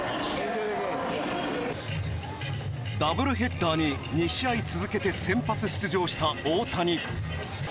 ダブルヘッダーに２試合続けて先発出場した大谷。